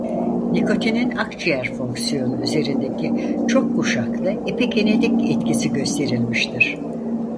Nikotinin akciğer fonksiyonu üzerindeki çok kuşaklı epigenetik etkisi gösterilmiştir.